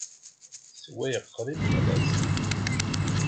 Ssewwayeɣ qrib yal ass.